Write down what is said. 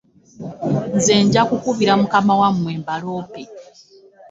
Nze nja kukubira mukama wammwe mbaloope.